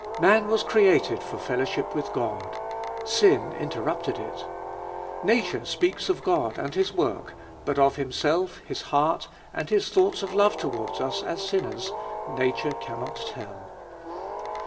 Man was created for fellowship with God. Sin interrupted it Nature speaks of God and His work, but of Himself, His heart, and His thoughts of love towards us as sinners, nature cannot tell.